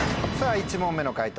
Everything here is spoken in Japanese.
１問目の解答